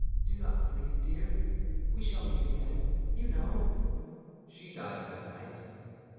Do not grieve, dear; we shall meet again, you know!" She died that night.